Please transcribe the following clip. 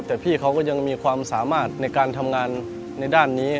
แต่พี่เขาก็ยังมีความสามารถในการทำงานในด้านนี้